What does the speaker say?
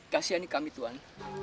kasihannya kami tuan